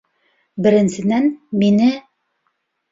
Беренсенән, мине...